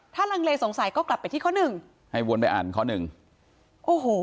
ถ้าลังเลสงสัยก็กลับไปที่ข้อหนึ่งให้วนไปอ่านข้อหนึ่งโอ้โห